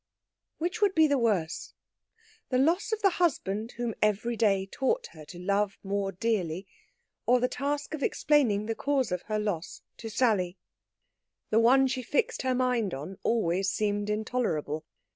Which would be the worse? The loss of the husband whom every day taught her to love more dearly, or the task of explaining the cause of her loss to Sally? The one she fixed her mind on always seemed intolerable.